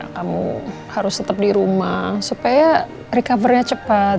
kamu harus tetap di rumah supaya recovernya cepat